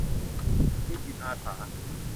มีจิตอาสา